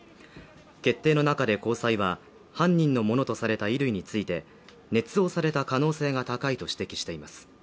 決定の中で高裁は犯人のものとされた衣類についてねつ造された可能性が高いと指摘しています。